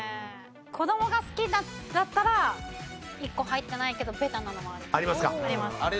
子どもが好きだったら１個入ってないけどベタなのはあります。